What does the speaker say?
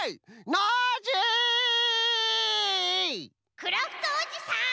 ・クラフトおじさん！